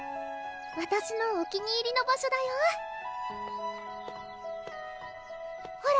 わたしのお気に入りの場所だよほら